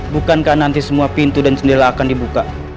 bukankah nanti semua pintu dan jendela akan dibuka